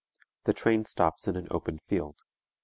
The train stops in an open field.